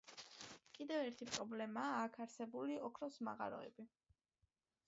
კიდევ ერთი პრობლემაა აქ არსებული ოქროს მაღაროები.